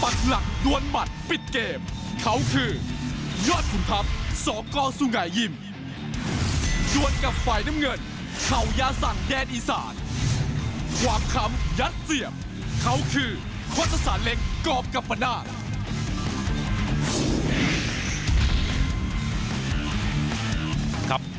ครับมวยคู่อีกสองกันแล้วนะครับ